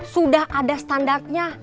sudah ada standarnya